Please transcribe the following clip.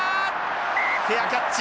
フェアキャッチ。